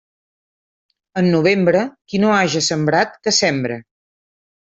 En novembre, qui no haja sembrat, que sembre.